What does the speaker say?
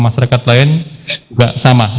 masyarakat lain juga sama